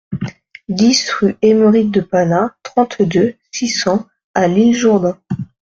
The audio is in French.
dix rue Aymeric de Panat, trente-deux, six cents à L'Isle-Jourdain